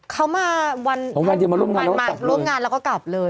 เขามาวันเดี่ยวมารอบงานแล้วก็กลับเลย